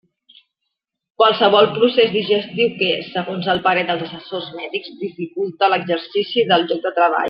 Qualsevol procés digestiu que, segons el parer dels assessors mèdics, dificulte l'exercici del lloc de treball.